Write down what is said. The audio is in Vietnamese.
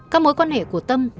các mối quan hệ của tâm